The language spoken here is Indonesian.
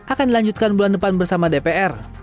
akan dilanjutkan bulan depan bersama dpr